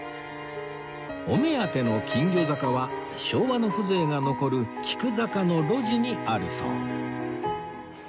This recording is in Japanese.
お目当ての金魚坂は昭和の風情が残る菊坂の路地にあるそう